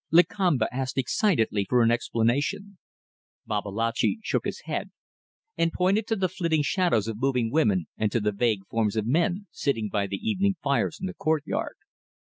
Lakamba asked excitedly for explanation. Babalatchi shook his head and pointed to the flitting shadows of moving women and to the vague forms of men sitting by the evening fires in the courtyard.